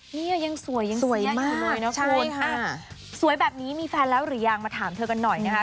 เนี่ยยังสวยยังสวยมากเลยนะคุณสวยแบบนี้มีแฟนแล้วหรือยังมาถามเธอกันหน่อยนะคะ